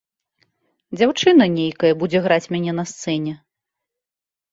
Дзяўчына нейкая будзе граць мяне на сцэне.